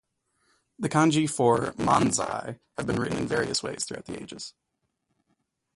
The kanji for "manzai" have been written in various ways throughout the ages.